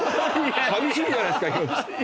寂しいじゃないですか。